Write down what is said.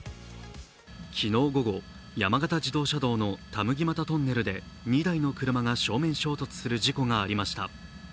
昨日午後、山形自動車道の田麦俣トンネルで２台の車が正面衝突する事故がありました。